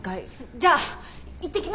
じゃあ行ってきます！